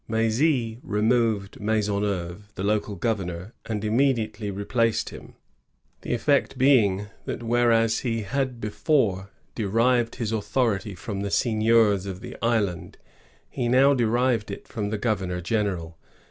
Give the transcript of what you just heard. M^zy removed Maisonneuve, the local governor, and immediately replaced him, — the effect being, thali whereas he had before derived his authority from the seigniors of the island, he now derived it from the governor general.